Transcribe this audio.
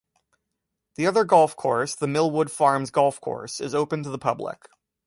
The other golf course, the Millwood Farms Golf Course, is open to the public.